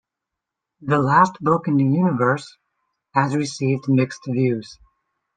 "The Last Book in the Universe" has received mixed reviews.